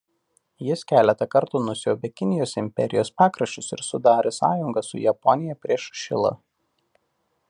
Jis keletą kartų nusiaubė Kinijos imperijos pakraščius ir sudarė sąjungą su Japonija prieš Šilą.